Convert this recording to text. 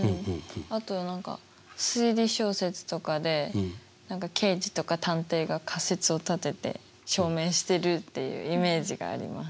あと何か推理小説とかで刑事とか探偵が仮説を立てて証明してるっていうイメージがあります。